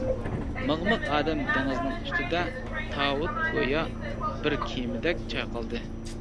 مىغ-مىغ ئادەم دېڭىزىنىڭ ئۈستىدە، تاۋۇت گويا بىر كېمىدەك چايقالدى.